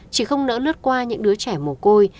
chỉ không nỡ lướt qua những đứa trẻ mồ côi